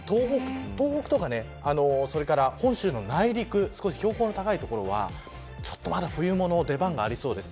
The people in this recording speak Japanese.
東北とか、本州の内陸少し標高の高い所はまだ冬物の出番がありそうです。